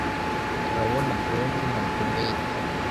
turabona blonde na brunette